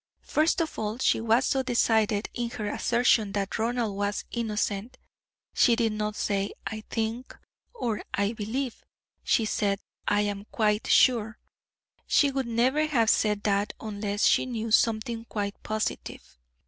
First of all she was so decided in her assertion that Ronald was innocent; she did not say 'I think,' or 'I believe,' she said 'I am quite sure.' She would never have said that unless she knew something quite positive.